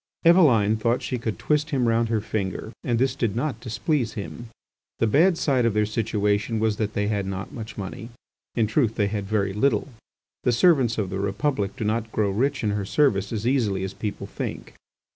Eveline thought she could twist him round her finger, and this did not displease him. The bad side of their situation was that they had not much money; in truth they had very little. The servants of the Republic do not grow rich in her service as easily as people think.